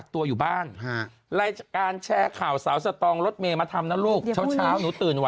สวัสดีครับข้าวใส่ไข่สดใหม่ให้เยอะ